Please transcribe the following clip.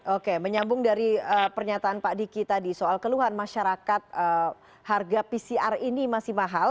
oke menyambung dari pernyataan pak diki tadi soal keluhan masyarakat harga pcr ini masih mahal